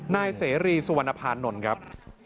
นายเสรีสุวรรณภานนท์ครับ